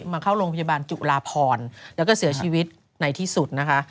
มาเข้าโรงพยาบาลจุลาพรแล้วก็เสียชีวิตในที่สุดนะคะ